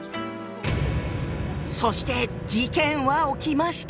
そして事件は起きました！